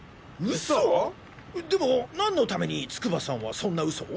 でも何のために筑波さんはそんな嘘を？